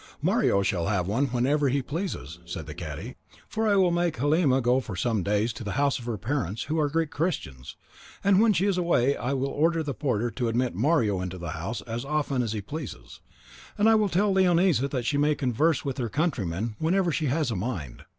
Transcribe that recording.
"Mario shall have one whenever he pleases," said the cadi, "for I will make Halima go for some days to the house of her parents, who are Greek Christians, and when she is away I will order the porter to admit Mario into the house as often as he pleases, and I will tell Leonisa that she may converse with her countryman whenever she has a mind."